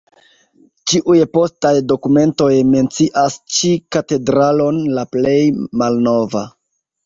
Ĉiuj postaj dokumentoj mencias ĉi katedralon la plej malnova.